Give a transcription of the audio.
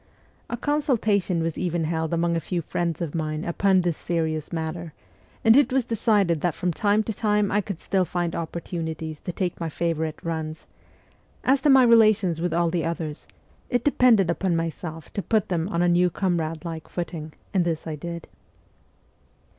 A consultation was even held among a few friends of mine upon this serious matter, and it was decided that from time to time I could still find opportunities to take my favourite runs ; as to my relations with all the others, it depended upon myself to put them on a new comrade like footing, and this I did.